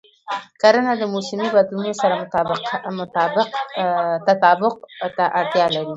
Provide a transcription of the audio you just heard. کرنه د موسمي بدلونونو سره تطابق ته اړتیا لري.